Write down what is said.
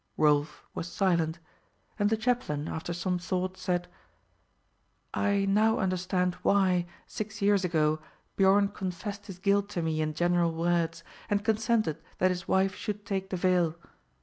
Rolf was silent; and the chaplain, after some thought, said: "I now understand why, six years ago, Biorn confessed his guilt to me in general words, and consented that his wife should take the veil.